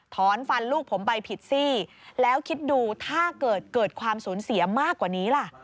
ถอนฟันลูกผมไปผิดซี่แล้วคิดดูถ้าเกิดเกิดความสูญเสียมากกว่านี้ล่ะ